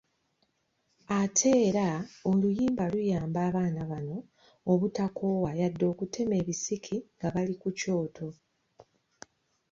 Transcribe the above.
ate era oluyimba luyamba abaana bano obutakoowa wadde okutema ebisiki nga bali ku kyoto.